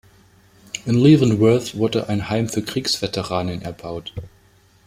In Leavenworth wurde ein Heim für Kriegsveteranen erbaut.